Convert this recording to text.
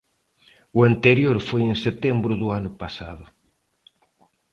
O anterior foi en setembro do ano pasado.